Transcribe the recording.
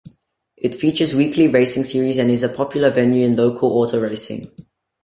It features weekly racing series and is a popular venue in local auto racing.